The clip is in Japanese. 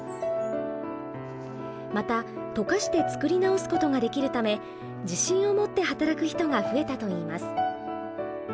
また溶かして作り直すことができるため自信を持って働く人が増えたといいます。